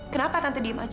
kenapa tante diem aja